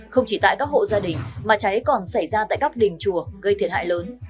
không chỉ tại các hộ gia đình mà cháy còn xảy ra tại các đình chùa gây thiệt hại lớn